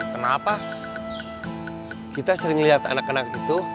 kenapa kita sering liat anak anak gitu